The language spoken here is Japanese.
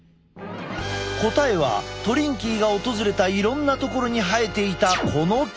答えはトリンキーが訪れたいろんな所に生えていたこの木。